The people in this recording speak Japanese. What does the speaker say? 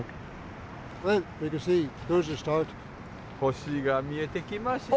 星が見えてきましたよ。